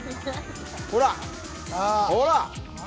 ほら、ほら！